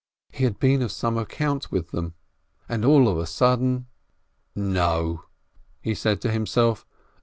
He had been of some account with them — and all of a sudden —! "No !" he said to himself.